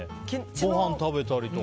ごはん食べたりとか。